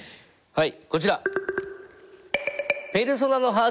はい！